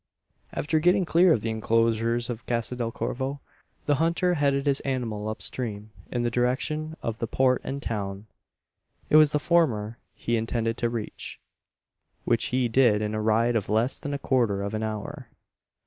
After getting clear of the enclosures of Casa del Corvo, the hunter headed his animal up stream in the direction of the Port and town. It was the former he intended to reach which he did in a ride of less than a quarter of an hour.